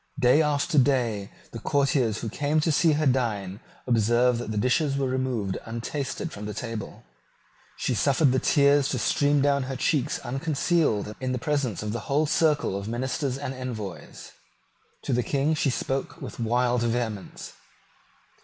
Day after day the courtiers who came to see her dine observed that the dishes were removed untasted from the table. She suffered the tears to stream down her cheeks unconcealed in the presence of the whole circle of ministers and envoys. To the King she spoke with wild vehemence.